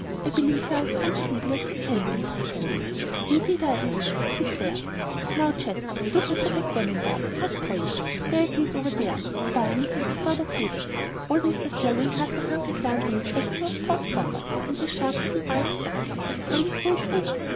"I believe you are as comfortable as you can be, Mr. Selwyn." "Indeed I am," he declared. "And now, Jasper, do get the backgammon board," cried Polly. "There it is over there," spying it on a further table. Old Mr. Selwyn cast a hungry glance on it as it was brought forward, and his sharp little eyes sparkled, as Polly threw it open.